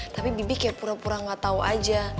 tapi bibi kayak pura pura gak tau aja